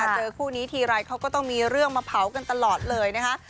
เจอคู่นี้ทีไรเขาก็ต้องมีเรื่องมาเผากันตลอดเลยนะคะ